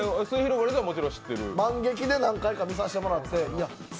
何回か見させてもらって。